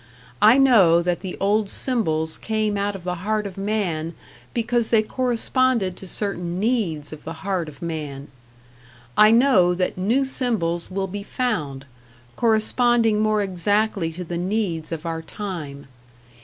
I know that the old symbols came out of the heart of man because they corresponded to certain needs of the heart of man. I know that new symbols will be found, corresponding more exactly to the needs of our time.